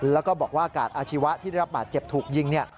แล้วก็บอกว่ากาดอาชีวะที่ได้รับบาดเจ็บถูกยิง